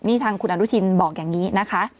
นี่ทางคุณอนุทินบอกอย่างนี้นะคะ